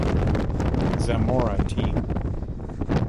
Zamora team